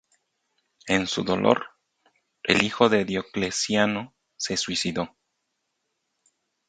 En su dolor, el hijo de Diocleciano se suicidó.